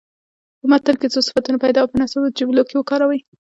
په متن کې څو صفتونه پیدا او په مناسبو جملو کې وکاروئ.